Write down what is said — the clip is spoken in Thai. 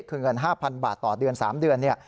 คือเงิน๕๐๐๐บาทต่อเดือน๓เดือน